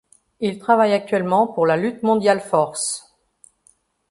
Il travaille actuellement pour la lutte mondiale force.